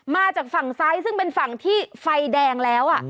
มาจากฝั่งซ้ายซึ่งเป็นฝั่งที่ไฟแดงแล้ว